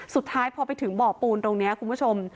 สุดท้ายพอไปถึงบ่อปูนตรงนี้คุณผู้ชม